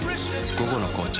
「午後の紅茶」